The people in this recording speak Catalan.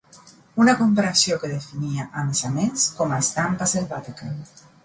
Una comparació que definia, a més a més, com a ‘estampa selvàtica’.